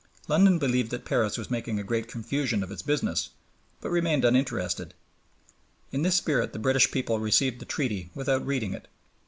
London believed that Paris was making a great confusion of its business, but remained uninterested. In this spirit the British people received the Treaty without reading it.